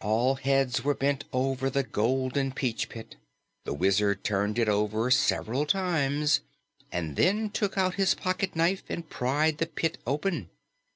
All heads were bent over the golden peach pit. The Wizard turned it over several times and then took out his pocket knife and pried the pit open.